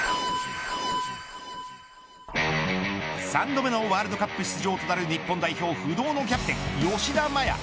３度目のワールドカップ出場となる日本代表不動のキャプテン吉田麻也。